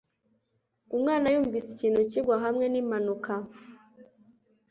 Umwana yumvise ikintu kigwa hamwe nimpanuka